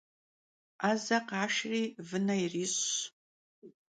'eze khaşşeri vıne yiriş'ş.